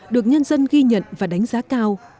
được nhân dân ghi nhận và đánh giá cao